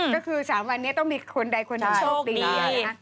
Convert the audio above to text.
ก็คือ๓วันนี้ต้องมีคนใดคนหนึ่งโชคดี